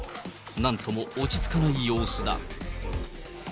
なんとも落ち着かない様子だ。